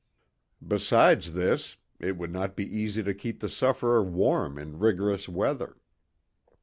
Besides this, it would not be easy to keep the sufferer warm in rigorous weather.